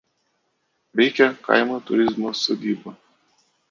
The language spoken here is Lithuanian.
Veikia kaimo turizmo sodyba.